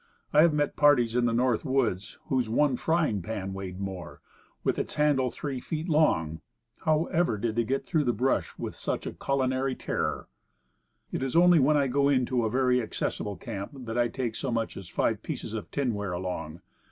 I have met parties in the North Woods whose one frying pan weighed more with its handle three feet long. How ever did they get through the brush with such a culinary terror? It is only when I go into a very accessible camp that I take so much as five pieces of tinware along.